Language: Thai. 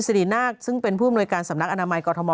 สิรินาคซึ่งเป็นผู้อำนวยการสำนักอนามัยกรทม